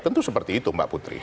tentu seperti itu mbak putri